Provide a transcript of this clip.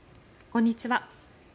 こんにちは。